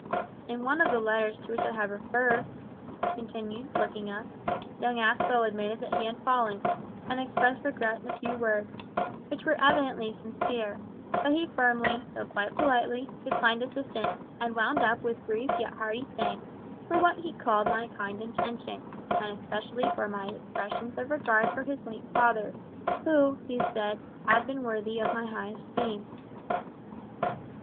"In one of the letters to which I have referred," he continued, looking up, "young Aspel admitted that he had fallen, and expressed regret in a few words, which were evidently sincere, but he firmly, though quite politely, declined assistance, and wound up with brief yet hearty thanks for what he called my kind intentions, and especially for my expressions of regard for his late father, who, he said, had been worthy of my highest esteem."